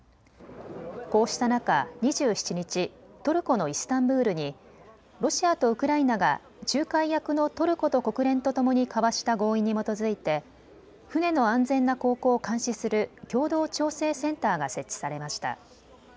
こうした中、２７日、トルコのイスタンブールにロシアとウクライナが仲介役のトルコと国連とともに交わした合意に基づいて船の安全な航行を監視する共同調整センターが設置されました。